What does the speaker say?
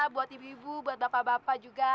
buat ibu ibu buat bapak bapak juga